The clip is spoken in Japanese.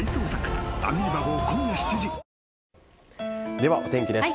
では、お天気です。